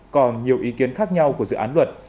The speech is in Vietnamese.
còn nhiều ý kiến khác nhau của dự án luật